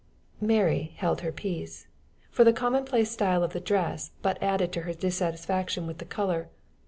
Mary held her peace, for the commonplace style of the dress but added to her dissatisfaction with the color.